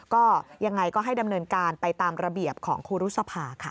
ก็ยังไงก็ให้ดำเนินการไปตามระเบียบของครูรุษภาค่ะ